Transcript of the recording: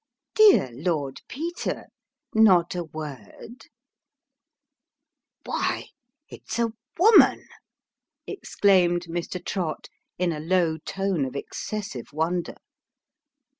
" Dear Lord Peter. Not a word ?"" Why, it's a woman !" exclaimed Mr. Trott, in a low tone of excessive wonder.